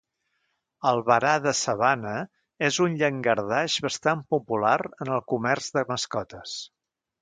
El varà de sabana és un llangardaix bastant popular en el comerç de mascotes.